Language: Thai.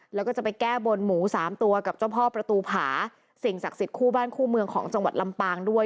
แล้วก็จะไปแก้บนหมูสามตัวกับเจ้าพ่อประตูผาสิ่งศักดิ์สิทธิ์คู่บ้านคู่เมืองของจังหวัดลำปางด้วย